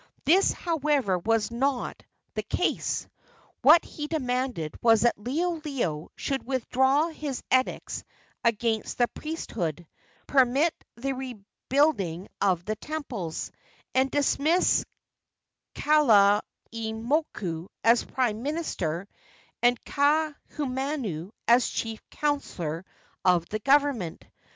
This, however, was not the case. What he demanded was that Liholiho should withdraw his edicts against the priesthood, permit the rebuilding of the temples, and dismiss Kalaimoku as prime minister and Kaahumanu as chief counselor of the government.